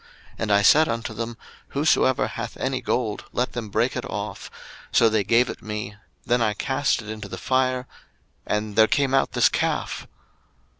02:032:024 And I said unto them, Whosoever hath any gold, let them break it off. So they gave it me: then I cast it into the fire, and there came out this calf.